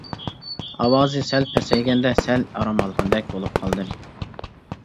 ئاۋازى سەل پەسەيگەندە سەل ئارام ئالغاندەك بولۇپ قالدىم.